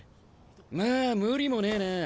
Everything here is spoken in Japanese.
まあ無理もねえなあ。